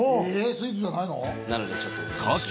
スイーツじゃないの？